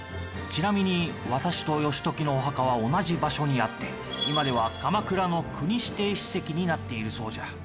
ちなみに私と義時のお墓は同じ場所にあって今では鎌倉の国指定史跡になっているそうじゃ。